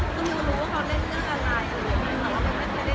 คุณนิวก็รู้ว่าเขาเล่นหน้าการลายอื่นแต่มันไม่ได้รู้เลย